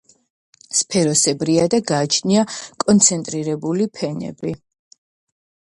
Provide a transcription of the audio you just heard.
სფეროსებრია და გააჩნია კონცენტრირებული ფენები.